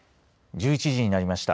１１時になりました。